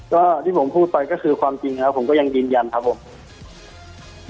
ก็ที่ผมพูดไปก็คือความจริงแล้วผมก็ยังยืนยันครับผม